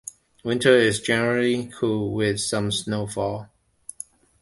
Winter is generally cool with some snowfall.